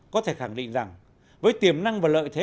có thể khẳng định rằng với tiềm năng và lợi thế